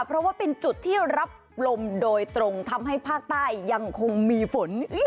เพราะว่าเป็นจุดที่รับลมโดยตรงทำให้ภาคใต้ยังคงมีฝน